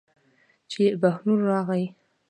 چې بهلول راغی.